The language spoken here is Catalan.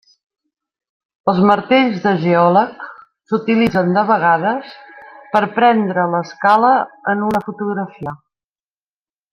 Els martells de geòleg s'utilitzen de vegades per prendre l'escala en una fotografia.